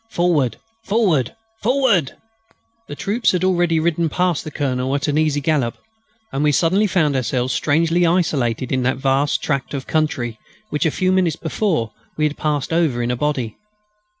Forward! Forward! Forward! The troops had already ridden past the Colonel at an easy gallop, and we suddenly found ourselves strangely isolated in that vast tract of country which, a few minutes before, we had passed over in a body.